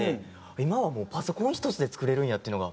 今はもうパソコン１つで作れるんやっていうのが。